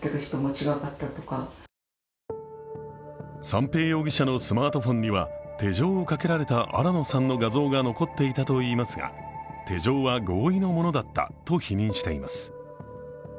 三瓶容疑者のスマートフォンには手錠をかけられた新野さんの画像が残っていたといいますが、手錠は合意のものだったと否認しています。